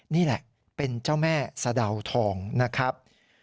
นี่แหละเป็นเจ้าแม่สะดาวทองนะครับ